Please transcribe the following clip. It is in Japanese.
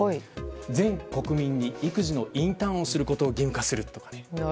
全国民に育児のインターンをすることを義務化するとかですね